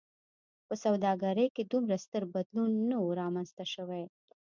په سوداګرۍ کې دومره ستر بدلون نه و رامنځته شوی.